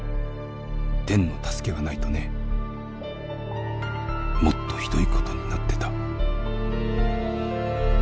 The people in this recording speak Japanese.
天の助けがないとねもっと酷いことになってた」。